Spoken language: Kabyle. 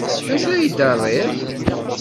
D acu ay d-terriḍ?